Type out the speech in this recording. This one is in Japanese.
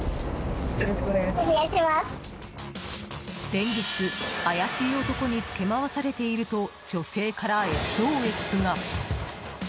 連日、怪しい男につけ回されていると女性からＳＯＳが。